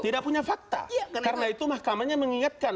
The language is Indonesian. tidak punya fakta karena itu mahkamahnya mengingatkan